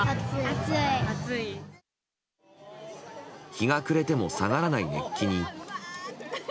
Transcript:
日が暮れても下がらない熱気に。